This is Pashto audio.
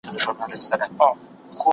ميرويس خان نيکه څنګه د خلګو ستونزې اورېدي؟